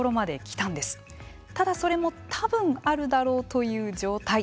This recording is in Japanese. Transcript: ただ、それも多分あるだろうという状態。